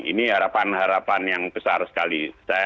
ini harapan harapan yang besar sekali